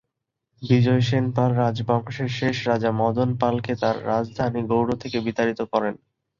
বিজয় সেন পাল রাজবংশের শেষ রাজা মদন পালকে তার রাজধানী গৌড় থেকে বিতাড়িত করেন।